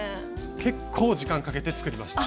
結構時間かけて作りました。